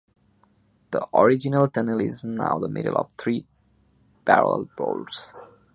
The original tunnel is now the middle of three parallel bores.